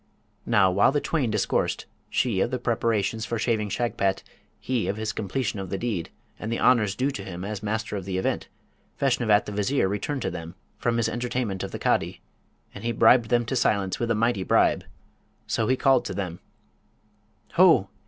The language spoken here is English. Now, while the twain discoursed, she of the preparations for shaving Shagpat, he of his completion of the deed, and the honours due to him as Master of the Event, Feshnavat the Vizier returned to them from his entertainment of the Cadi; and he had bribed him to silence with a mighty bribe. So he called to them 'Ho!